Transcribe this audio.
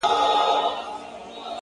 اوښکي دي پر مځکه درته ناڅي ولي؛